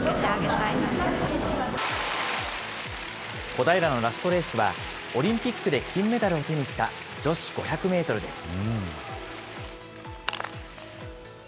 小平のラストレースはオリンピックで金メダルを手にした女子５００メートルです。